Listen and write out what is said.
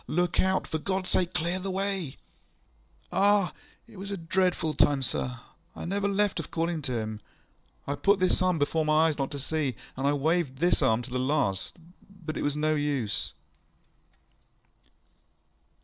Look out! For GodŌĆÖs sake, clear the way! ŌĆÖŌĆØ I started. ŌĆ£Ah! it was a dreadful time, sir. I never left off calling to him. I put this arm before my eyes not to see, and I waved this arm to the last; but it was no use.